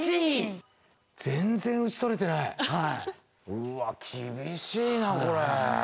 うわ厳しいなこれ。